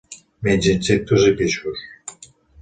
Menja insectes i peixos.